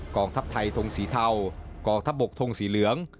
กองทัพไทยทงสีเทากองทัพบกทงสีเหลือง